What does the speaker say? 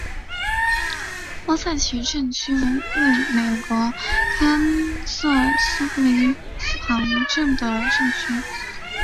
欧塞奇镇区为位在美国堪萨斯州波旁县的镇区。